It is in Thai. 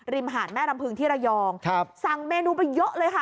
หาดแม่ลำพึงที่ระยองสั่งเมนูไปเยอะเลยค่ะ